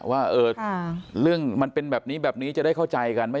ว่าเรื่องมันเป็นแบบนี้แบบนี้จะได้เข้าใจกัน